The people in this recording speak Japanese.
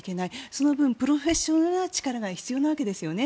その分プロフェッショナルな力が必要なわけですよね。